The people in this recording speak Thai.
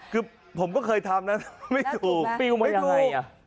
คือผมก็เคยทำนะไม่ถูกปลิวมายังไงอ่ะ